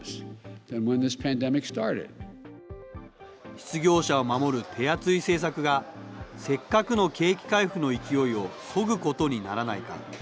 失業者を守る手厚い政策が、せっかくの景気回復の勢いをそぐことにならないか。